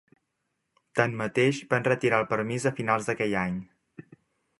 Tanmateix, van retirar el permís a finals d'aquell any.